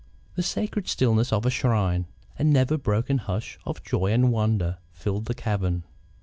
The sacred stillness of a shrine, a never broken hush of joy and wonder, filled the cavern.